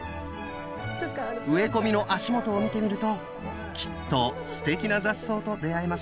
植え込みの足元を見てみるときっとすてきな雑草と出会えますよ。